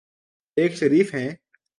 ایک شریف ہیں۔